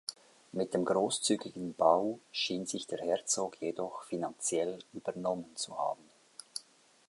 Mit dem großzügigen Bau schien sich der Herzog jedoch finanziell übernommen zu haben.